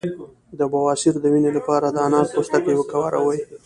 د بواسیر د وینې لپاره د انار پوستکی وکاروئ